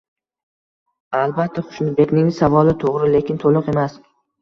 Albatta, Xushnudbekning savoli to'g'ri, lekin to'liq emas